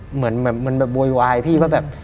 เหมือนมันแบบโวยวายพี่ว่าแบบ